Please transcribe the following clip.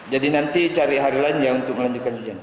jadi nanti cari hari lanjian untuk melanjutkan ujian